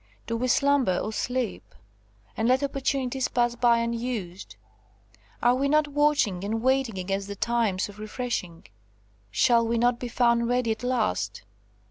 Do we slumber or sleep, and let opportunities pass by unused? Are we not watching and waiting against the times of refreshing? Shall we not be found ready at last?